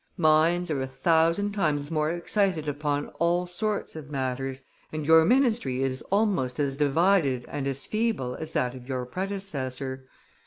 Minds are a thousand times more excited upon all sorts of matters, and your ministry is almost as divided and as feeble as that of your predecessor.